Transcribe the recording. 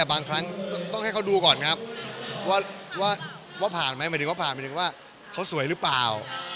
บางครั้งต้องให้เขาดูก่อนครับว่าผ่านไหมหมายถึงว่าผ่านไปถึงว่าเขาสวยหรือเปล่า